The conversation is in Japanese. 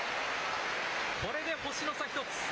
これで星の差１つ。